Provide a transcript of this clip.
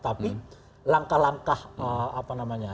tapi langkah langkah apa namanya